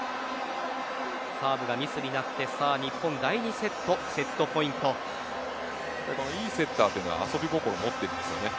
サーブがミスになって日本、第２セットいいセッターというのは遊び心を持っているんですよね。